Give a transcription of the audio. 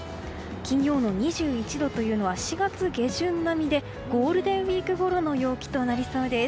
金曜の２１度というのは４月下旬並みでゴールデンウィークごろの陽気となりそうです。